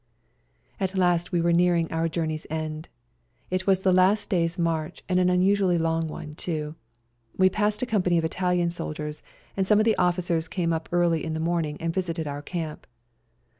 At last we were nearing our journey's end; it was the last day's march, and an unusually long one, too. We passed a company of Italian soldiers, and some of the officers came up early in the morning and visited our camp.